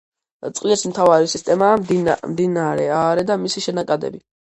წყლის მთავარი სისტემაა მდინარე აარე და მისი შენაკადები.